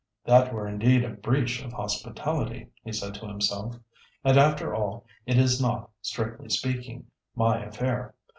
"That were indeed a breach of hospitality," he said to himself. "And after all, it is not, strictly speaking, my affair.